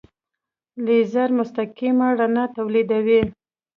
لیزر مستقیمه رڼا تولیدوي.